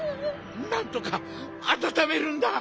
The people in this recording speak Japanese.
なんとかあたためるんだ！